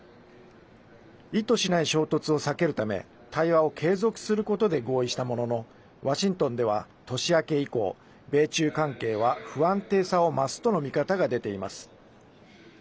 意図しない衝突を避けるため対話を継続することで合意したもののワシントンでは年明け以降米中関係は不安定さを増すとの見方が出ています。